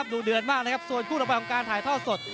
ดูเดือดมากนะครับส่วนคู่ต่อไปของการถ่ายทอดสด